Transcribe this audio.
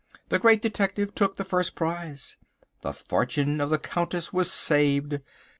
The Great Detective took the first prize! The fortune of the Countess was saved.